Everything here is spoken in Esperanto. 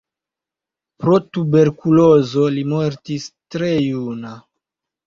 Pro tuberkulozo li mortis tre juna.